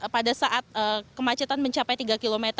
pada saat kemacetan mencapai tiga km